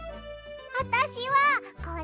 あたしはこれ！